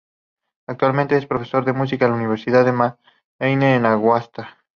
Actualmente es profesor de música en la Universidad de Maine, en Augusta.